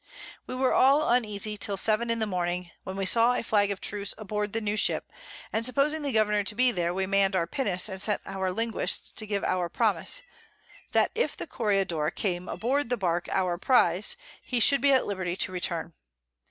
We were all uneasy till 7 in the Morning, when we saw a Flag of Truce aboard the new Ship, and supposing the Governour to be there, we mann'd our Pinnace, and sent our Linguist to give our Promise, that if the Corregidore came aboard the Bark our Prize, he should be at liberty to return.